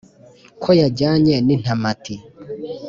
ko yajyanye n’ intamati